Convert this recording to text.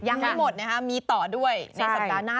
ยังไม่หมดนะครับมีต่อด้วยในสัปดาห์หน้า